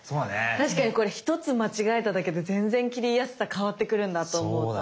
確かにこれ１つ間違えただけで全然切りやすさ変わってくるんだと思った。